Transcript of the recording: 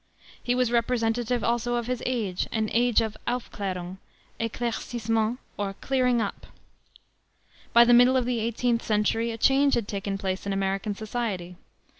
He was representative also of his age, an age of aufklärung, eclaircissement, or "clearing up." By the middle of the eighteenth century a change had taken place in American society.